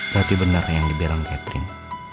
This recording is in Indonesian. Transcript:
berarti benar yang dibilang catherine